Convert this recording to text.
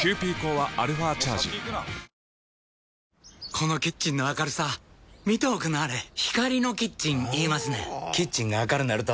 このキッチンの明るさ見ておくんなはれ光のキッチン言いますねんほぉキッチンが明るなると・・・